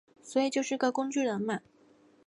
所以就是个工具人嘛